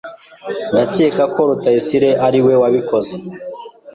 Ndakeka ko Rutayisire ari we wabikoze.